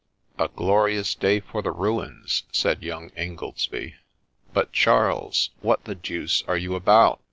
' A glorious day for the ruins !' said young Ingoldsby. ' But, Charles, what the deuce are you about